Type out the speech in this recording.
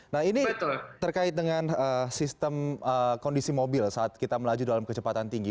nah ini terkait dengan sistem kondisi mobil saat kita melaju dalam kecepatan tinggi